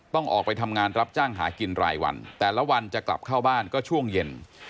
ต้องออกไปทำงานรับจ้างหากินรายวันแต่ละวันจะกลับเข้าบ้านก็ช่วงเย็น